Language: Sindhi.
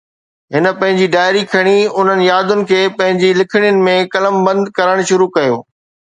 هن پنهنجي ڊائري کڻي انهن يادن کي پنهنجي لکڻين ۾ قلمبند ڪرڻ شروع ڪيو